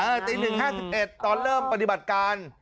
เออติดหนึ่งห้าสิบเอ็ดตอนเริ่มปฏิบัติการ